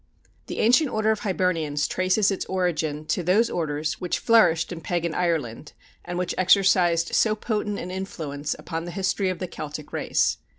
The Ancient Order of Hibernians traces its origin to those orders which flourished in pagan Ireland, and which exercised so potent an influence upon the history of the Celtic race.